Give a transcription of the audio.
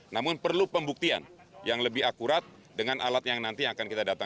namun perlu pembuktian yang lebih akurat dengan alat yang nanti akan kita datang